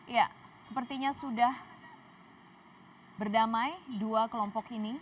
ya sepertinya sudah berdamai dua kelompok ini